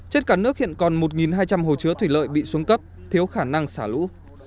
trên cả nước hiện còn một hai trăm linh hồ chứa thủy lợi bị xuống cấp thiếu khả năng xả lũ